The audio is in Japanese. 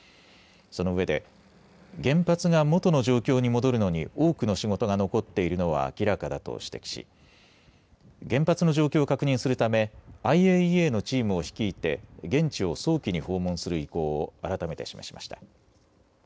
そのうえで原発が元の状況に戻るのに多くの仕事が残っているのは明らかだと指摘し、原発の状況を確認するためＩＡＥＡのチームを率いて現地を早期に訪問する意向を改めて示しました。